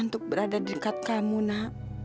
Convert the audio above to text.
untuk berada di dekat kamu nak